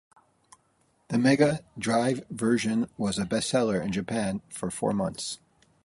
The Mega Drive version was a bestseller in Japan for four months.